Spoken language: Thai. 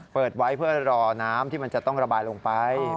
เปิดไว้เพื่อรอน้ำที่มันจะต้องระบายลงไป